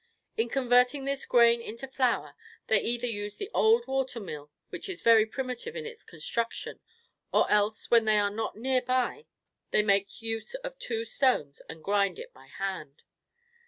In converting this grain into flour, they either use the old water mill which is very primitive in its construction, or else, when these are not near by, they make use of two stones and grind it by hand.